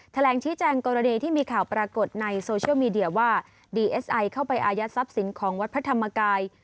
แถลงชี้แจงกรณีที่มีข่าวปรากฏในโซเชียลมีเดียว่าดีเอสไอเข้าไปอายัดทรัพย์สินของวัดพระธรรมกาย